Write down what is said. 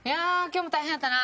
今日も大変やったな。